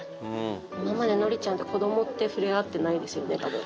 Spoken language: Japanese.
今までのりちゃんって、子どもと触れ合ってないですよね、たぶん。